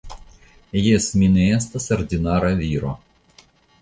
Jes, mi ne estas ordinara viro.